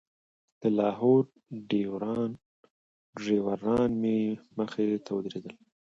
د لاهور ډریوران مې مخې ته ودرېدل.